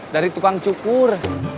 dari tukang cukur